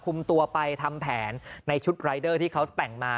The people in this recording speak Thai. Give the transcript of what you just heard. ตัวไปทำแผนในชุดรายเดอร์ที่เขาแต่งมา